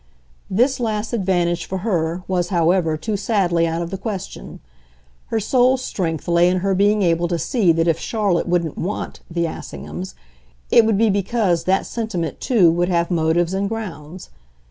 This last advantage for her, was, however, too sadly out of the question; her sole strength lay in her being able to see that if Charlotte wouldn't "want" the Assinghams it would be because that sentiment too would have motives and grounds.